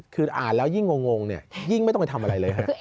คืออ่านแล้วยิ่งงงเนี่ยยิ่งไม่ต้องไปทำอะไรเลยฮะ